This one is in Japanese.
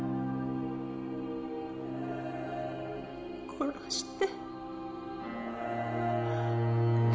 殺して。